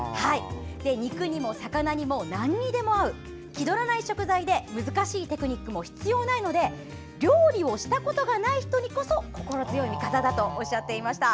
肉にも魚にも何にでも合う気取らない食材で難しいテクニックも必要ないので料理したことがない人にこそ心強い味方だとおっしゃっていました。